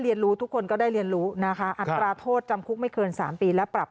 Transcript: เรื่องสามีปัจจุบันเป็นอย่างไรบ้าง